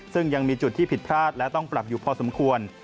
ซึ่งยังมีจุดที่ผิดพลาดและต้องปรับอยู่พอสมควร